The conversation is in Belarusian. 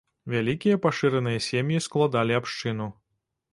Вялікія пашыраныя сем'і складалі абшчыну.